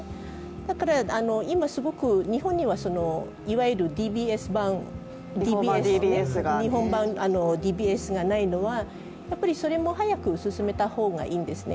だから、今すごく日本にはいわゆる日本版ＤＢＳがないのはそれも早く進めたほうがいいんですね。